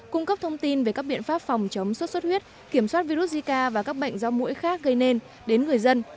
cung cấp thông tin về các biện pháp phòng chống xuất xuất huyết kiểm soát virus zika và các bệnh do mũi khác gây nên đến người dân